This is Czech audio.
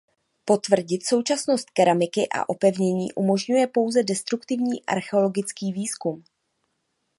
Potvrdit současnost keramiky a opevnění umožňuje pouze destruktivní archeologický výzkum.